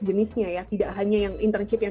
jenisnya ya tidak hanya yang internship yang